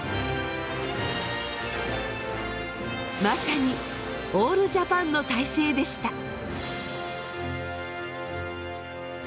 まさにオール・ジャパンの体制でした。